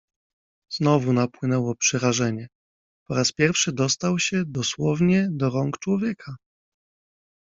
Znowu napłynęło przerażenie. Po raz pierwszy dostał się, dosłownie, do rąk człowieka.